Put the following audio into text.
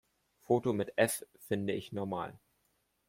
Foto mit F finde ich normal.